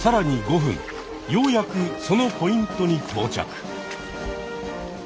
ようやくそのポイントにとうちゃく。